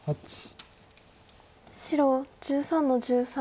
白１３の十三。